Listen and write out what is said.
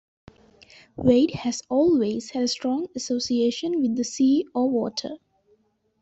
Wade has always had a strong association with the sea or water.